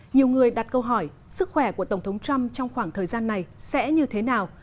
nhiều người đặt câu hỏi sức khỏe của tổng thống trump trong khoảng thời gian này sẽ như thế nào